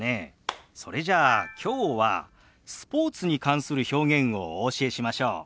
それじゃあきょうはスポーツに関する表現をお教えしましょう。